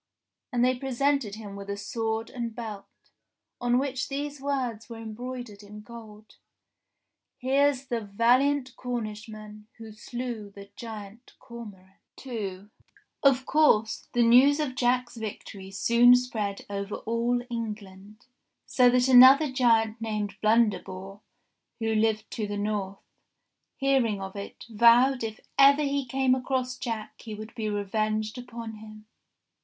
And they presented him with a sword and belt, on which these words were embroidered in gold : Here's the valiant Cornishman, Who slew the giant Cormoran. II Of course the news of Jack's victory soon spread over all England, so that another giant named Blunderbore, who lived to the north, hearing of it, vowed if ever he came across Jack he would be revenged upon him.